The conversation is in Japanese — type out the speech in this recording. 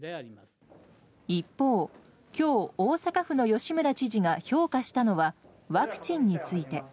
一方、きょう大阪府の吉村知事が評価したのは、ワクチンについて。